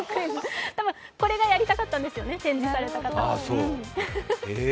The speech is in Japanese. これがやりたかったんですよね、展示された方は。